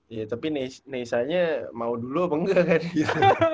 iya tapi nisanya mau dulu apa enggak kan gitu